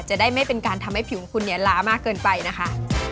จะได้ไม่เป็นการทำให้ผิวของคุณเนี่ยล้ามากเกินไปนะคะ